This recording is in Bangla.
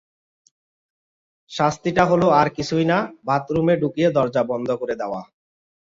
শাস্তিটা হল আর কিছুই না, বাথরুমে ঢুকিয়ে দরজা বন্ধ করে দেওয়া।